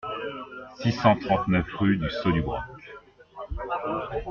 six cent trente-neuf rue du Saut du Broc